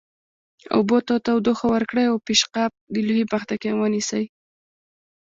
اوبو ته تودوخه ورکړئ او پیشقاب د لوښي مخ ته ونیسئ.